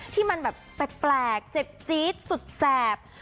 ที่มันแบบแปลกเจ็บจี๊ดสุดแสบ